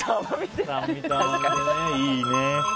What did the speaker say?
いいね。